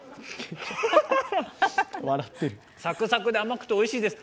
サクサクで甘くておいしいです！